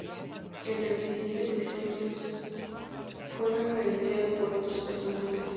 En siguientes episodios, fue referenciado por otros personajes.